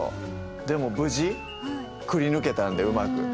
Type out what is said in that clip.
でも無事くりぬけたんでうまく。